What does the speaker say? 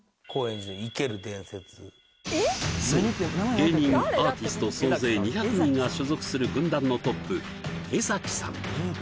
芸人アーティスト総勢２００人が所属する軍団のトップエザキさん